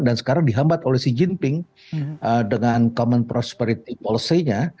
dan sekarang dihambat oleh si jinping dengan common prosperity policy nya